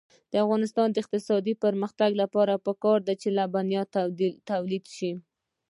د افغانستان د اقتصادي پرمختګ لپاره پکار ده چې لبنیات تولید شي.